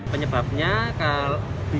penyebabnya kalau bisa